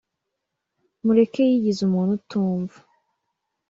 mureke yigize umuntu utumva